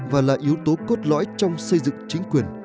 và là yếu tố cốt lõi trong xây dựng chính quyền